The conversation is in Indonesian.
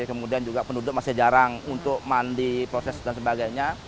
kemudian juga penduduk masih jarang untuk mandi proses dan sebagainya